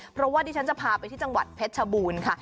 เพราะว่าดิฉันจะพาไปที่จังหวัดเพชรชบูรณ์ค่ะ